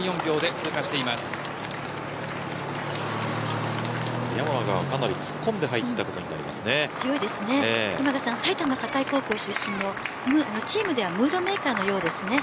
山賀はかなり突っ込んで山賀さんは埼玉栄高校出身のチームではムードメーカーのようです。